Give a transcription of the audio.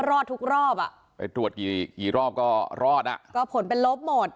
รอดทุกรอบอ่ะไปตรวจกี่กี่รอบก็รอดอ่ะก็ผลเป็นลบหมด